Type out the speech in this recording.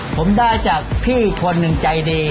ผมได้จากพี่คนหนึ่งใจดี